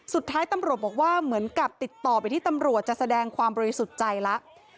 สุดท้ายตำรวจบอกว่าเหมือนกับติดต่อไปที่ตำรวจจะแสดงความบริสุทธิ์ใจแล้ว